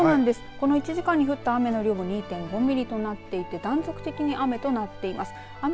この１時間に降った雨の量は２．５ミリとなっていて断続的に雨となっています。